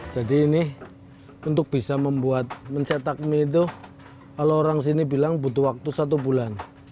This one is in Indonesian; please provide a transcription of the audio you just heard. jadi ini untuk bisa membuat mencetak mie itu kalau orang sini bilang butuh waktu satu bulan